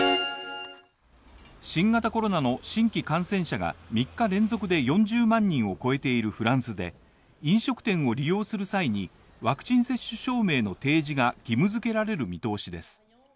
新型コロナの新規感染者が３日連続で４０万人を超えているフランスで飲食店を利用する際にワクチン接種証明の提示が義務付けられる見通しです。